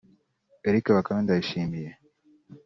Eric Bakame Ndayishimiye